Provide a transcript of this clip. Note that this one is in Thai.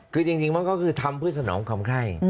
คือจริงมันก็คือทำเพื่อสนองความไข้